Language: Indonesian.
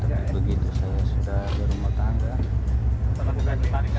tapi begitu saya sudah baru mau tanggal